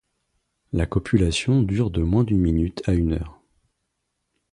La copulation dure de moins d'une minute à une heure.